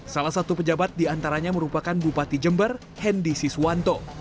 salah satu pejabat diantaranya merupakan bupati jember hendi siswanto